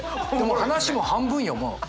話も半分よもう。